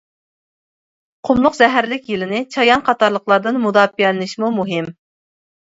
قۇملۇق زەھەرلىك يىلىنى، چايان قاتارلىقلاردىن مۇداپىئەلىنىشمۇ مۇھىم.